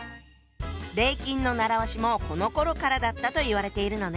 「礼金」の習わしもこのころからだったと言われているのね。